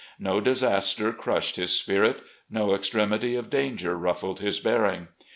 No disaster crushed his spirit, no extremity of danger ruffled his bear ing.